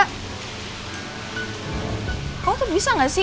kamu tuh bisa gak sih fokus mikirin keluarga kita aja